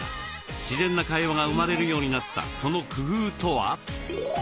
自然な会話が生まれるようになったその工夫とは？